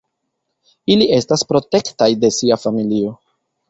Ili estas protektaj de sia familio.